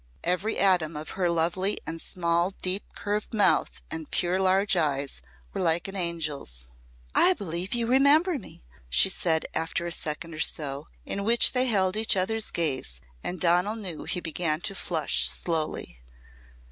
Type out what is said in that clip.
Every atom of her was lovely and her small deep curved mouth and pure large eyes were like an angel's. "I believe you remember me!" she said after a second or so in which they held each other's gaze and Donal knew he began to flush slowly.